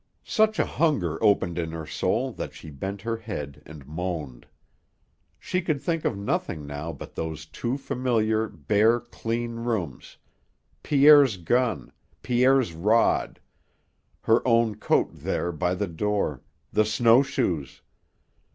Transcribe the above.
Such a hunger opened in her soul that she bent her head and moaned. She could think of nothing now but those two familiar, bare, clean rooms Pierre's gun, Pierre's rod, her own coat there by the door, the snowshoes.